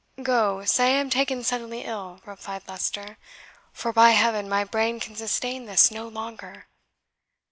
"Go, say I am taken suddenly ill," replied Leicester; "for, by Heaven, my brain can sustain this no longer!"